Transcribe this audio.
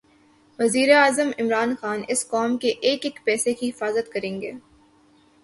وزیراعظم عمران خان اس قوم کے ایک ایک پیسے کی حفاظت کریں گے